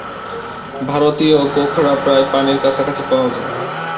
ভারতীয় গোখরা প্রায়ই পানির কাছাকাছি পাওয়া যায়।